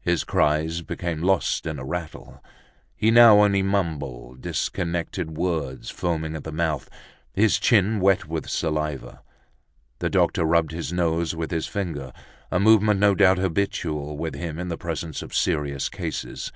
His cries became lost in a rattle. He now only mumbled disconnected words, foaming at the mouth, his chin wet with saliva. The doctor rubbed his nose with his finger, a movement no doubt habitual with him in the presence of serious cases.